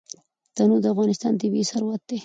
تنوع د افغانستان طبعي ثروت دی.